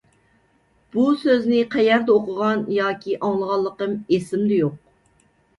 بۇ سۆزنى قەيەردە ئوقۇغان ياكى ئاڭلىغانلىقىم ئېسىمدە يوق.